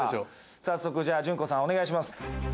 早速じゃあ順子さんお願いします。